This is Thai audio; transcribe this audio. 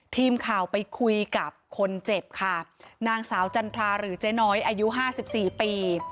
ทีมข่าวไปคุยกับคนเจ็บค่ะนางสาวจันทราหรือเจ๊น้อยอายุห้าสิบสี่ปี